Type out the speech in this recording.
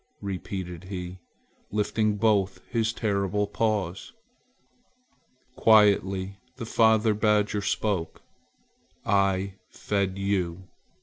repeated he, lifting both his terrible paws. Quietly the father badger spoke: "I fed you.